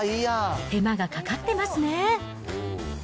手間がかかってますね。